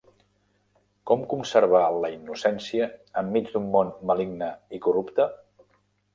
Com conservar la innocència enmig d'un món maligne i corrupte?